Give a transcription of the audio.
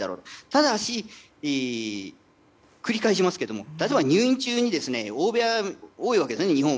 ただし、繰り返しますけど例えば、入院中に日本では大部屋が多いわけですね。